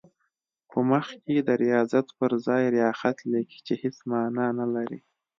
په مخ کې د ریاضت پر ځای ریاخت لیکي چې هېڅ معنی نه لري.